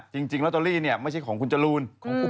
จริงลอตเตอรี่เนี่ยไม่ใช่ของคุณจรูนของคุณ